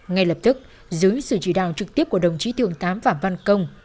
ngay lập tức dưới sự chỉ đạo trực tiếp của đồng chí thường tám phạm văn công